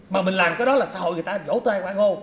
mà mình làm cái đó là xã hội người ta vỗ tay qua ngô